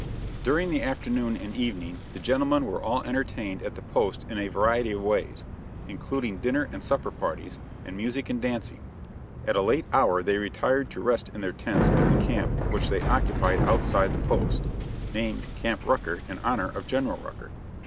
During the afternoon and evening the gentlemen were all entertained at the post in a variety of ways, including dinner and supper parties, and music and dancing; at a late hour they retired to rest in their tents at the camp which they occupied outside the post named Camp Rucker in honor of General Rucker.